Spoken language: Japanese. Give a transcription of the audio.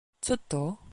ちょっと？